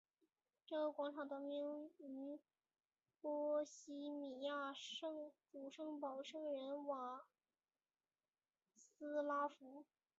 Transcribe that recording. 这个广场得名于波希米亚的主保圣人圣瓦茨拉夫。